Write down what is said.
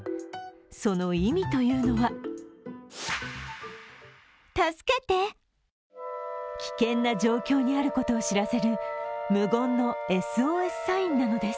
その意味というのは危険な状況にあることを知らせる無言のＳＯＳサインなのです。